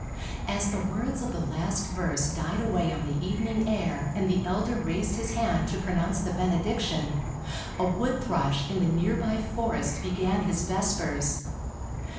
As the words of the last verse died away on the evening air and the elder raised his hand to pronounce the benediction, a wood thrush in the nearby forest began his vespers.